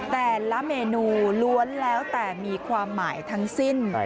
แต่ละเมนูล้วนแล้วแต่มีความหมายทั้งสิ้น